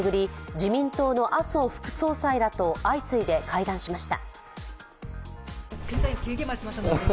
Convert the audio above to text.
自民党の麻生副総裁らと相次いで会談しました。